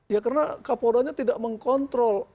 ya karena kapoldanya tidak mengkontrol